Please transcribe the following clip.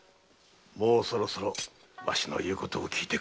もうそろそろわしの言うことをきいてくれ〕